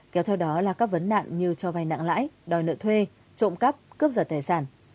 kéo theo đó là các vấn nạn như cho vai nặng lãi đòi nợ thuê trộm cắp cướp giật tài sản